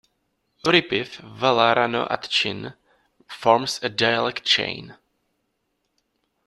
Uripiv-Wala-Rano-Atchin forms a dialect chain.